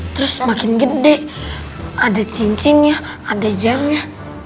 terus makin gede ada cincinnya ada jamnya